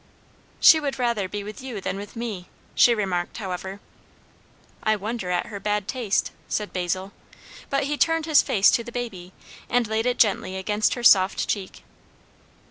"She would rather be with you than with me," she remarked, however. "I wonder at her bad taste!" said Basil. But he turned his face to the baby, and laid it gently against her soft cheek.